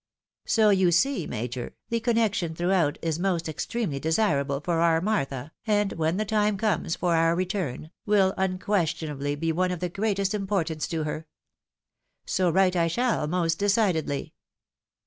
So you see. Major, the connection throughout is most extremely desirable for our Martha, and when the time comes for our return, will unquestionably be of the greatest importance to her. So write I shall most decidedly."